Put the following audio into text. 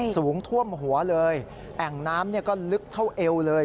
สูงท่วมหัวเลยแอ่งน้ำก็ลึกเท่าเอวเลย